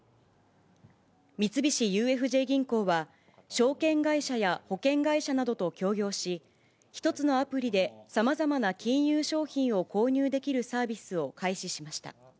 三菱ＵＦＪ銀行は、証券会社や保険会社などと協業し、一つのアプリでさまざまな金融商品を購入できるサービスを開始しました。